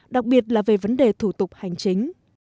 đặc biệt là về vấn đề thủ tục hành chính